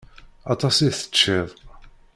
Aṭas i teččiḍ.